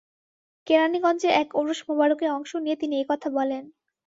কেরানীগঞ্জে এক ওরস মোবারকে অংশ নিয়ে তিনি এ কথা বলেন।